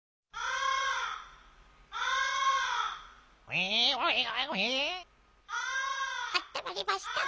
あったまりました。